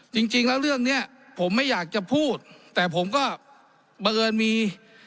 จริงแล้วเรื่องเนี้ยผมไม่อยากจะพูดแต่ผมก็บังเอิญมี